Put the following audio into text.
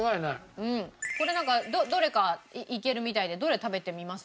これなんかどれかいけるみたいでどれ食べてみます？